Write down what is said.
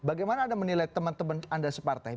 bagaimana anda menilai teman teman anda separtai